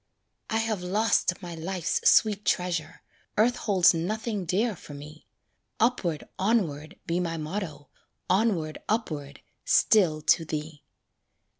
I have lost my life's sweet treasure, Earth holds nothing dear for me; "Upward, onward," be my motto, Onward, upward, still to thee.